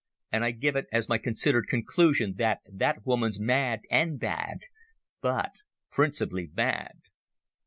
And I give it as my considered conclusion that that woman's mad and bad—but principally bad."